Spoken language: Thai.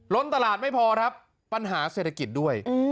ตลาดไม่พอครับปัญหาเศรษฐกิจด้วย